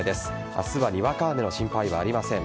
明日はにわか雨の心配はありません。